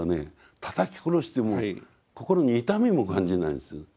たたき殺しても心に痛みも感じないんです。